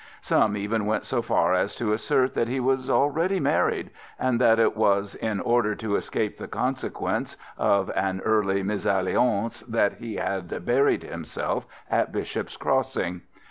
Some even went so far as to assert that he was already married, and that it was in order to escape the consequence of an early misalliance that he had buried himself at Bishop's Crossing.